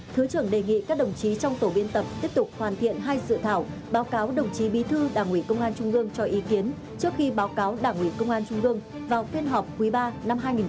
thứ trưởng đề nghị các đồng chí trong tổ biên tập tiếp tục hoàn thiện hai dự thảo báo cáo đồng chí bí thư đảng ủy công an trung ương cho ý kiến trước khi báo cáo đảng ủy công an trung ương vào phiên họp quý ba năm hai nghìn hai mươi